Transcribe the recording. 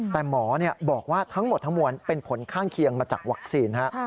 แต่หมอบอกว่าทั้งหมดทั้งมวลเป็นผลข้างเคียงมาจากวัคซีน